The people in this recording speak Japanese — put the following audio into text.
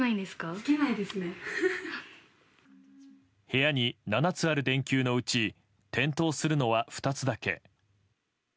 部屋に７つある電球のうち点灯するのは２つだけ。